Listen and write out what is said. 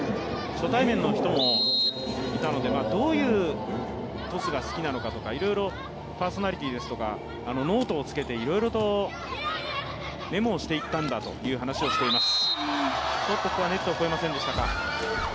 初対面の人もいたので、どういうトスか好きなのかとかいろいろパーソナリティーですとか、ノートをつけていろいろとメモをしていったんだという話をしています。